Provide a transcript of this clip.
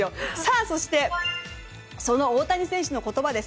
そしてその大谷選手の言葉です。